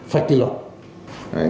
phạch thì lộn